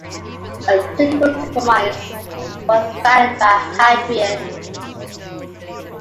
A suitable compromise was found by Hadrian.